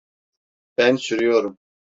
Ben sürüyorum.